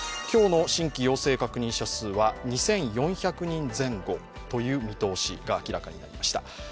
今日の新規陽性確認者数は２４００人前後という見通しが明らかになりました。